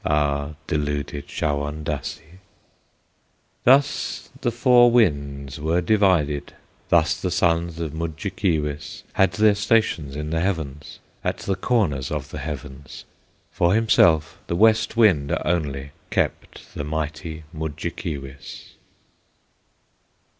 Ah! deluded Shawondasee! Thus the Four Winds were divided Thus the sons of Mudjekeewis Had their stations in the heavens, At the corners of the heavens; For himself the West Wind only Kept the mighty Mudjekeewis.